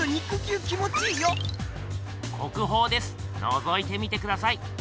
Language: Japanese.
のぞいてみてください。